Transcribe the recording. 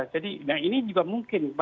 jadi nah ini juga mungkin